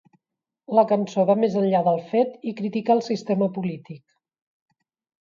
La cançó va més enllà del fet i critica el sistema polític.